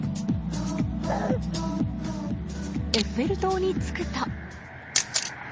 エッフェル塔に着くと。